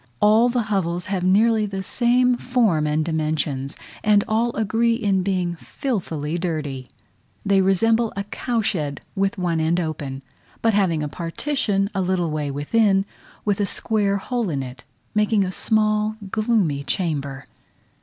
All the hovels have nearly the same form and dimensions, and all agree in being filthily dirty. They resemble a cow shed with one end open, but having a partition a little way within, with a square hole in it, making a small gloomy chamber.